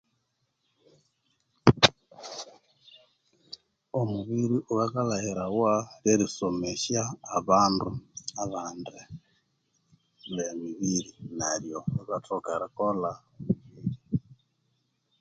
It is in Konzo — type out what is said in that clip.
Omubiri owakalhaghirawa lyerisomesya abandu abandi be mibiri neryo ibathoka erikolha